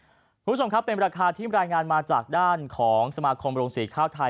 คุณผู้ชมครับเป็นราคาที่รายงานมาจากด้านของสมาคมโรงสีข้าวไทย